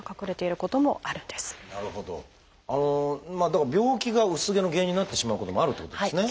だから病気が薄毛の原因になってしまうこともあるってことですね。